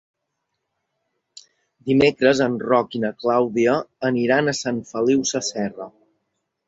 Dimecres en Roc i na Clàudia aniran a Sant Feliu Sasserra.